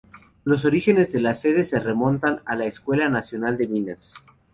Los orígenes de la sede se remontan a la Escuela Nacional de Minas.